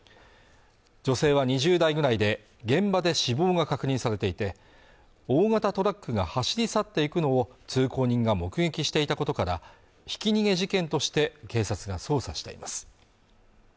女性は２０代ぐらいで現場で死亡が確認されていて大型トラックが走り去っていくのを通行人が目撃していたことからひき逃げ事件として警察が捜査しています